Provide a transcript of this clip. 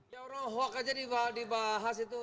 ya orang hukum saja dibahas itu